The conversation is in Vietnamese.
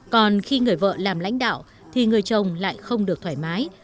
còn khi người vợ làm lãnh đạo thì người chồng lại không được thoải mái